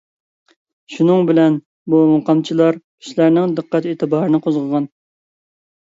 شۇنىڭ بىلەن بۇ مۇقامچىلار كىشىلەرنىڭ دىققەت ئېتىبارىنى قوزغىغان.